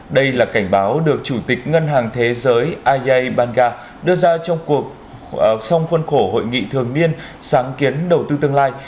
đây là cảnh báo được chủ tịch ngân hàng thế giới ayya bana đưa ra trong cuộc song khuôn khổ hội nghị thường niên sáng kiến đầu tư tương lai